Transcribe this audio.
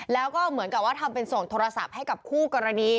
แล้วก็เหมือนกับว่าทำเป็นส่งโทรศัพท์ให้กับคู่กรณี